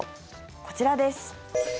こちらです。